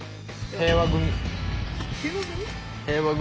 平和組。